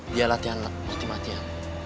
dia latihan mati matian